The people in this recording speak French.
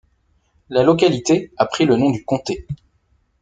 La localité a pris le nom du comté.